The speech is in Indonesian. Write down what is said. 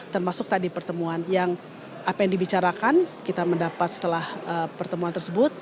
termasuk tadi pertemuan yang apa yang dibicarakan kita mendapat setelah pertemuan tersebut